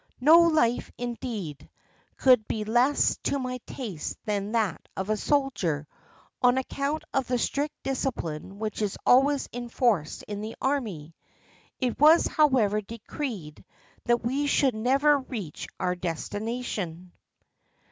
No life, indeed, could be less to my taste than that of a soldier, on account of the strict discipline which is always enforced in the army. It was, however, decreed that we should never reach our destination.